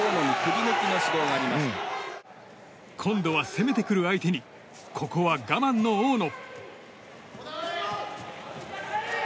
今度は攻めてくる相手にここは我慢の大野。